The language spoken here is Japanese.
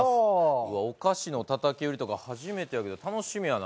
お菓子のたたき売りとか初めてやけど楽しみやな。